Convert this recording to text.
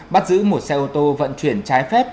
bắt giữ một xe ô tô vận chuyển trái phép